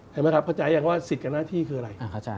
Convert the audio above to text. เข้าใจอย่างว่าสิทธิ์กับหน้าที่คืออะไร